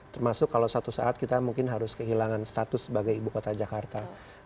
termasuk kalau satu saat kita mungkin harus kehilangan status sebagai ibu kota jakarta